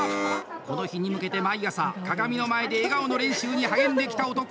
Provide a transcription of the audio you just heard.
この日に向けて毎朝、鏡の前で笑顔の練習に励んできた男。